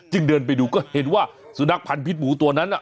เดินไปดูก็เห็นว่าสุนัขพันธ์พิษบูตัวนั้น